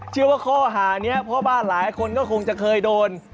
เชื่อว่าข้อหานี้พ่อบ้านหลายคนก็คงจะเคยโดน